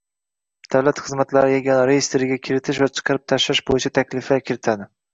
Davlat xizmatlari yagona reestriga kiritish va chiqarib tashlash bo’yicha takliflar kiritadi.